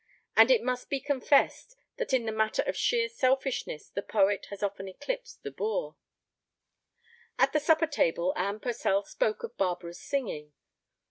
And it must be confessed that in the matter of sheer selfishness the poet has often eclipsed the boor. At the supper table Anne Purcell spoke of Barbara's singing.